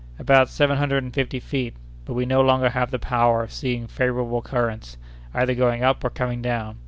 "About seven hundred and fifty feet; but we no longer have the power of seeking favorable currents, either going up or coming down.